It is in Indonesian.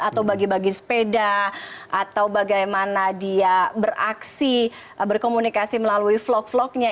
atau bagi bagi sepeda atau bagaimana dia beraksi berkomunikasi melalui vlog vlognya